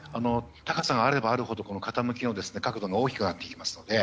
高さがあればあるほど傾きの角度が大きくなってきますので。